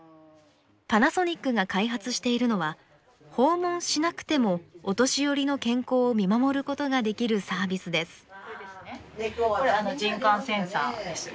パナソニックが開発しているのは訪問しなくてもお年寄りの健康を見守ることができるサービスです。